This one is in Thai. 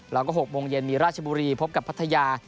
แล้วก็๖โมงเย็นมีราชบุรีพบกับพัทยา